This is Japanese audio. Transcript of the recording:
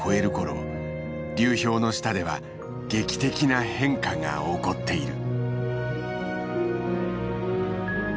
流氷の下では劇的な変化が起こっている。